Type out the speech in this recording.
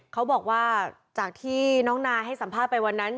เขาบอกว่าจากที่น้องนายให้สัมภาษณ์ไปวันนั้น